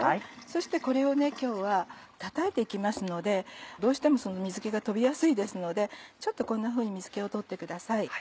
そしてこれを今日はたたいて行きますのでどうしても水気が飛びやすいですのでこんなふうに水気を取ってください。